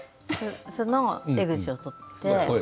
その江口を撮って。